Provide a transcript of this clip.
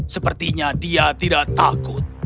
sepertinya dia tidak takut